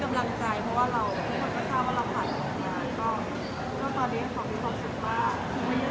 ก็เฉยคนก็ค่อย